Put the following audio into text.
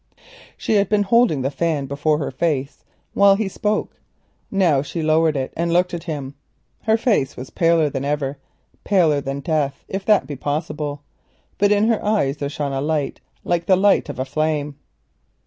She had been holding the fan before her face while he spoke. Now she lowered it and looked at him. Her face was paler than ever, paler than death, if that be possible, but in her eyes there shone a light like the light of a flame.